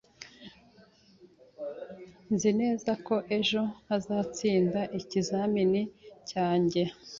Nzi neza ko ejo ntazatsinda ikizamini cyanjye.